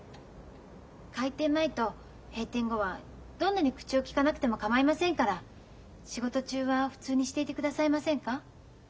開店前と閉店後はどんなに口をきかなくても構いませんから仕事中は普通にしていてくださいませんか？